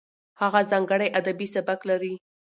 هغه ځانګړی ادبي سبک لري.